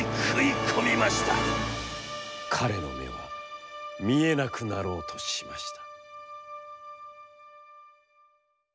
彼の目は見えなくなろうとしました」。